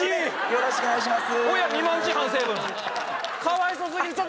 よろしくお願いします